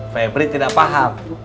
pebri tidak paham